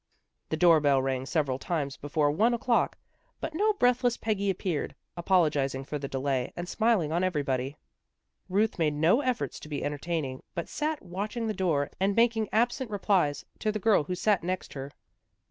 The doorbell rang several times before one o'clock, but no breathless Peggy appeared, apologizing for the delay, and smiling on everybody. Ruth made no effort to be enter taining, but sat watching the door, and making absent replies to the girl who sat next her.